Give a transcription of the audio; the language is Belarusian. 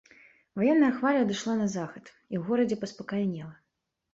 Ваенная хваля адышла на захад, і ў горадзе паспакайнела.